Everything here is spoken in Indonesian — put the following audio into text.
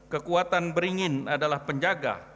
kekuatan beringin adalah penjaga